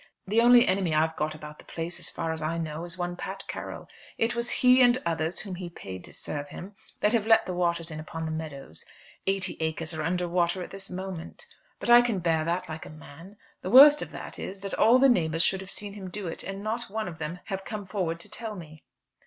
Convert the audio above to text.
The only enemy I've got about the place, as far as I know, is one Pat Carroll. It was he and others, whom he paid to serve him, that have let the waters in upon the meadows. Eighty acres are under water at this moment. But I can bear that like a man. The worst of that is, that all the neighbours should have seen him do it, and not one of them have come forward to tell me."